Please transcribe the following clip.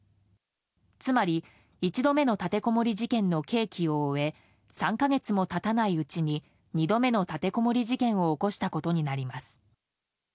つまり１度目の立てこもり事件の刑期を終え３か月も経たないうちに２度目の立てこもり事件を起こしたことになります。